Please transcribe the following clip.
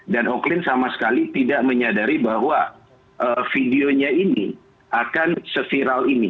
dan oklin sama sekali tidak menyadari bahwa videonya ini akan se viral ini